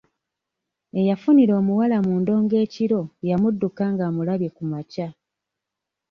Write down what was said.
Eyafunira omuwala mu ndongo ekiro yamudduka ng'amulabye ku makya.